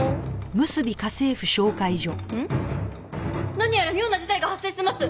何やら妙な事態が発生してます！